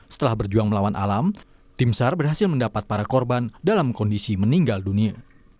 setelah berjuang melawan alam tim sar berhasil mendapat para korban dalam kondisi meninggal dunia